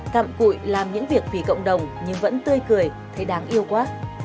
cặm cụi làm những việc vì cộng đồng nhưng vẫn tươi cười thấy đáng yêu quá